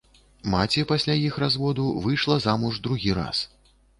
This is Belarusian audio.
Маці пасля іх разводу выйшла замуж другі раз.